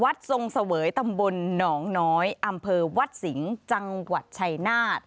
ทรงเสวยตำบลหนองน้อยอำเภอวัดสิงห์จังหวัดชัยนาธ